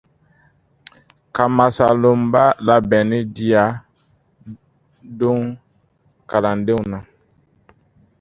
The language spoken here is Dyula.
Ka masaloabo labɛnni diya don kalandenw na.